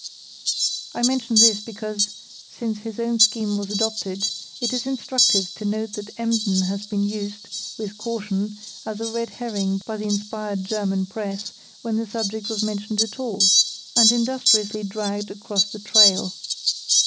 I mention this because, since his own scheme was adopted, it is instructive to note that Emden had been used (with caution) as a red herring by the inspired German press, when the subject was mentioned at all, and industriously dragged across the trail.